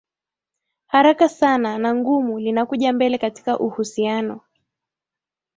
haraka sana na ngumu linakuja mbele katika uhusiano